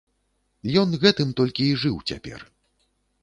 Ён гэтым толькі і жыў цяпер.